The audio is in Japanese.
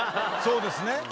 そうですね。